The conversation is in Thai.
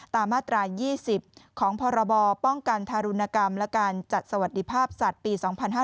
มาตราย๒๐ของพรบป้องกันทารุณกรรมและการจัดสวัสดิภาพสัตว์ปี๒๕๕๙